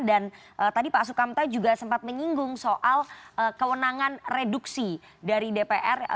dan tadi pak sukamta juga sempat menyinggung soal kewenangan reduksi dari dpr